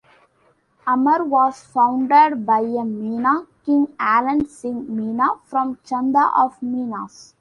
Amer was founded by a Meena king Alan Singh Meena from Chanda of Meenas.